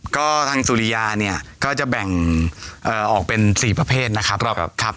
ก็ทางสุริยาเนี่ยก็จะแบ่งออกเป็น๔ประเภทนะครับ